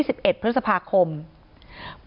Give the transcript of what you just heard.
ที่มีข่าวเรื่องน้องหายตัว